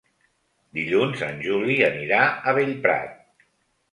Dilluns en Juli anirà a Bellprat.